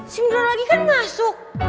sebenarnya lagi kan masuk